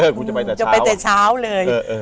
คุณจะไปแต่เช้าเลย